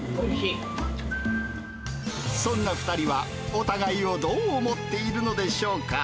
そんな２人は、お互いをどう思っているのでしょうか。